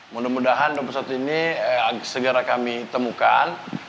mudah mudahan dua puluh satu ini segera kami temukan